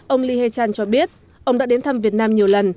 ông lee hae chan cho biết ông đã đến thăm việt nam nhiều lần